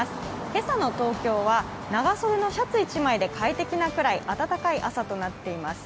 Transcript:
今朝の東京は、長袖のシャツ１枚で快適なぐらい暖かい朝となっています。